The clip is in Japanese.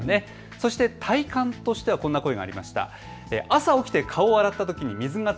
そして体感としてはこんな声がありました。